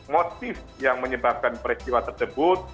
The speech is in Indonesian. motif yang menyebabkan peristiwa tersebut